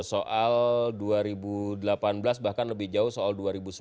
soal dua ribu delapan belas bahkan lebih jauh soal dua ribu sembilan belas